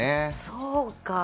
そうか。